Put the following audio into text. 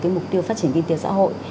cái mục tiêu phát triển kinh tế xã hội